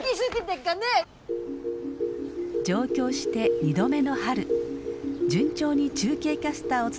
上京して２度目の春順調に中継キャスターを務めるモネ。